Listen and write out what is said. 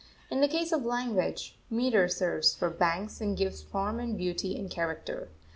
In the case of language, metre serves for banks and gives form and beauty and character.